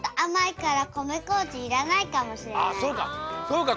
あそうか。